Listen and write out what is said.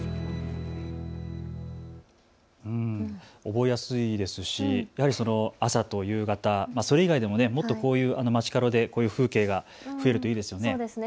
覚えやすいですしやはり朝と夕方、それ以外でももっとこういう街かどでこういう風景が増えるといいですよね。